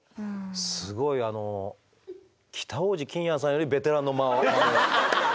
すごいあの北大路欣也さんよりベテランの間を。